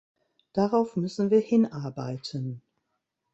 Darauf müssen wir hinarbeiten.